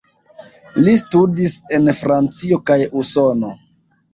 Ŝi studis en Francio kaj Usono.